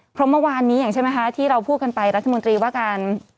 เพราะเมื่อวานนี้อย่างใช่ไหมคะที่เราพูดกันไปรัฐมนตรีว่าการ